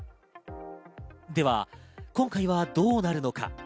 では、今回はどうなるのか？